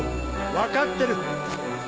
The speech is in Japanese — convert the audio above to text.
分かってる！